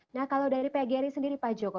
nah kalau dari pgri sendiri pak joko